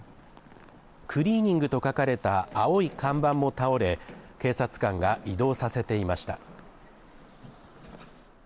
クリーニングと書かれた青い看板も倒れ、警察官が移動させていました。